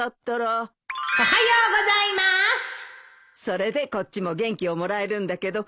それでこっちも元気をもらえるんだけど。